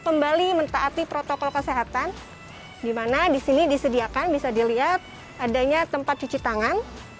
kembali mentaati protokol kesehatan dimana disini disediakan bisa dilihat adanya tempat cuci tangan